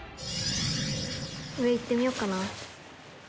上行ってみよっかな。